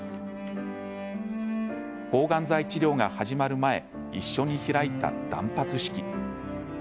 抗がん剤治療が始まる前一緒に開いた断髪式。